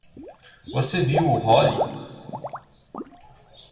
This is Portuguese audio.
Você viu o Hollie?